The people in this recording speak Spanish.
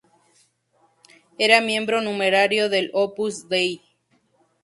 Era miembro numerario del Opus Dei.